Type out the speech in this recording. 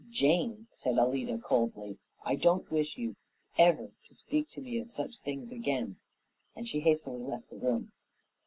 "Jane," said Alida coldly, "I don't wish you ever to speak to me of such things again," and she hastily left the room.